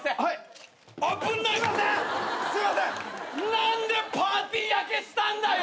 何でパーティー開けしたんだよ！